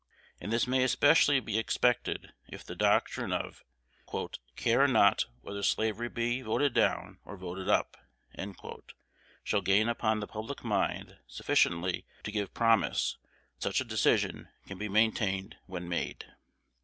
And this may especially be expected if the doctrine of "care not whether slavery be voted down or voted up" shall gain upon the public mind sufficiently to give promise that such a decision can be maintained when made.